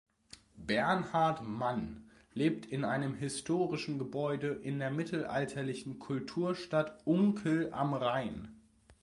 Bernhard Mann lebt in einem historischen Gebäude in der mittelalterlichen Kulturstadt Unkel am Rhein.